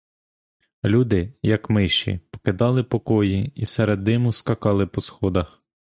Люди, як миші, покидали покої і серед диму скакали по сходах.